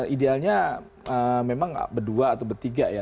idealnya memang berdua atau bertiga ya